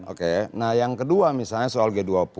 oke nah yang kedua misalnya soal g dua puluh